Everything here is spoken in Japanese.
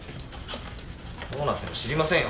どうなっても知りませんよ